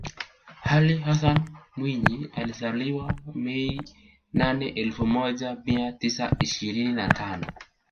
Ali Hassan Mwinyi alizaliwa Mei nane elfu moja mia tisa ishirini na tano